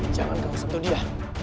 jangan kau sentuh dia